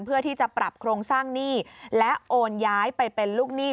เพื่อที่จะปรับโครงสร้างหนี้และโอนย้ายไปเป็นลูกหนี้